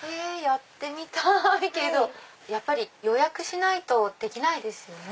やってみたいけど予約しないとできないですよね？